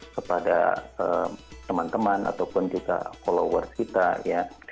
kepada teman teman ataupun juga followers kita ya